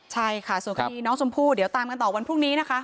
ใช่ค่ะส่วนคดีน้องชมพู่เดี๋ยวตามกันต่อวันพรุ่งนี้นะคะ